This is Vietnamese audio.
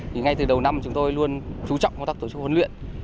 thì ngay từ đầu năm chúng tôi luôn chú trọng công tác tổ chức huấn luyện